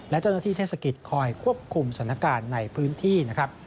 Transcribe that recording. และเจ้าหน้าที่เทศกิจคอยควบคุมสถานการณ์ในพื้นที่นะครับ